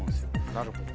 なるほど。